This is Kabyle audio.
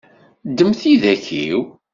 Ddem tidak-iw.